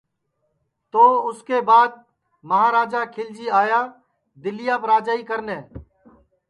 تو اُس کے بعد مہاراجا کھیلجی آیا دِلیاپ راجائی کرنے